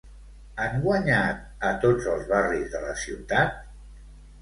Han guanyat a tots els barris de la ciutat?